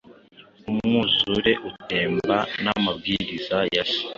umwuzure utemba namabwiriza ya se